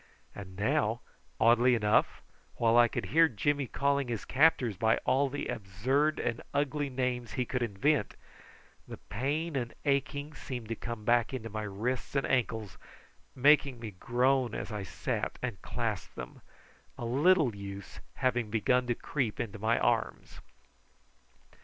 And now, oddly enough, while I could hear Jimmy calling his captors by all the absurd and ugly names he could invent, the pain and aching seemed to come back into my wrists and ankles, making me groan as I sat and clasped them, a little use having begun to creep back into my arms.